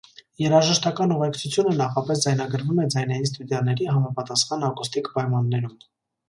Երաժշտական ուղեկցությունը նախապես ձայնագրվում է ձայնային ստուդիաների համապատասխան ակուստիկ պայմաններում։